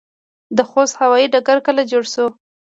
د خوست هوايي ډګر کله جوړ شو؟